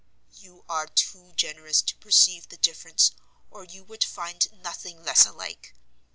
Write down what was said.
"You are too generous to perceive the difference, or you would find nothing less alike.